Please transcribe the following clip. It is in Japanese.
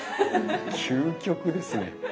究極ですね。